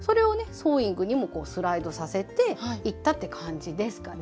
ソーイングにもスライドさせていったって感じですかね。